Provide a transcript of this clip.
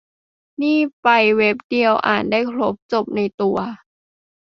นี่ไปเว็บเดียว อ่านได้ครบ จบในตัว